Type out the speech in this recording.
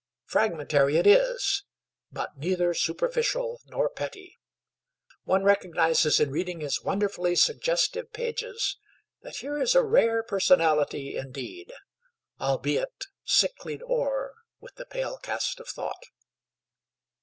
Fragmentary it is, but neither superficial nor petty. One recognizes in reading his wonderfully suggestive pages that here is a rare personality, indeed, albeit "sicklied o'er with the pale cast of thought."